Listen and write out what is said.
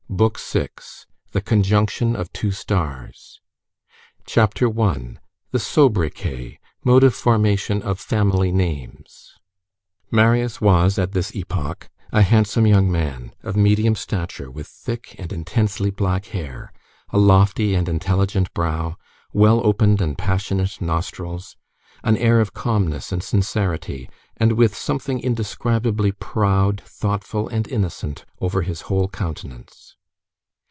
BOOK SIXTH—THE CONJUNCTION OF TWO STARS CHAPTER I—THE SOBRIQUET: MODE OF FORMATION OF FAMILY NAMES Marius was, at this epoch, a handsome young man, of medium stature, with thick and intensely black hair, a lofty and intelligent brow, well opened and passionate nostrils, an air of calmness and sincerity, and with something indescribably proud, thoughtful, and innocent over his whole countenance.